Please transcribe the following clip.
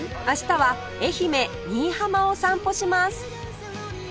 明日は愛媛新居浜を散歩します